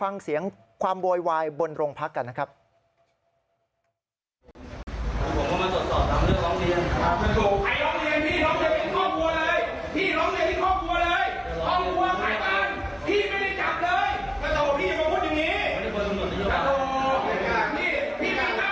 โรงพักโรงพักโรงพักโรงพักโรงพัก